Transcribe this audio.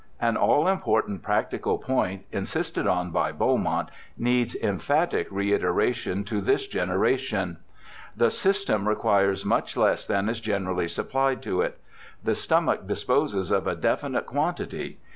An all important practical point insisted on by Beaumont needs emphatic reiteration to this generation :' The system requires much less than is generally supplied to it. The stomach disposes of a definite quantity.